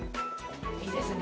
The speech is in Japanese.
いいですね。